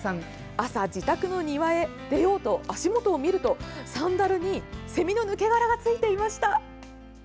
朝、自宅の庭へ出ようと足元を見るとサンダルにセミの抜け殻がついていました。